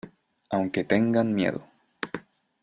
aunque tengan miedo.